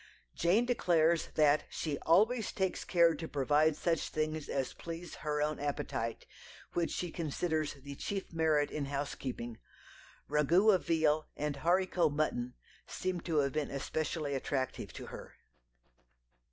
Jane declares that she "always takes care to provide such things as please (her) own appetite," which she considers "the chief merit in housekeeping." Ragout of veal and haricot mutton seem to have been specially attractive to her.